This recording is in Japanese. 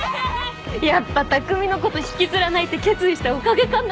やっぱ匠のこと引きずらないって決意したおかげかな？